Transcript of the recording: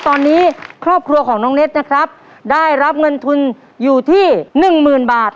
ตอนนี้ครอบครัวของน้องเน็ตนะครับได้รับเงินทุนอยู่ที่หนึ่งหมื่นบาท